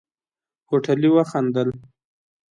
هوټلي وخندل.